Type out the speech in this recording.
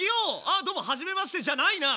あどうもはじめましてじゃないな！